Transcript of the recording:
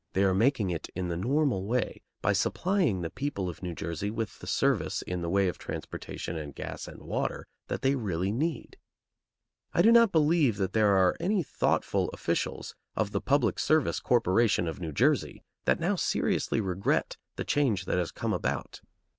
They are making it in the normal way, by supplying the people of New Jersey with the service in the way of transportation and gas and water that they really need. I do not believe that there are any thoughtful officials of the Public Service Corporation of New Jersey that now seriously regret the change that has come about.